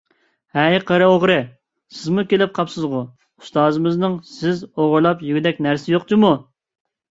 ھەي قېرى ئوغرى، سىزمۇ كېلىپ قاپسىزغۇ؟ ئۇستازىمنىڭ سىز ئوغرىلاپ يېگۈدەك نەرسىسى يوق جۇمۇ!